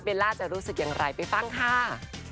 ล่าจะรู้สึกอย่างไรไปฟังค่ะ